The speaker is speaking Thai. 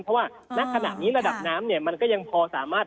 เพราะว่าณขณะนี้ระดับน้ำเนี่ยมันก็ยังพอสามารถ